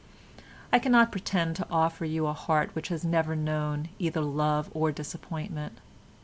"I cannot pretend to offer you a heart which has never known either love or disappointment.